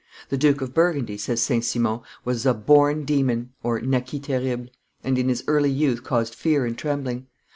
"The Duke of Burgundy," says St. Simon, "was a born demon (naquit terrible), and in his early youth caused fear and trembling.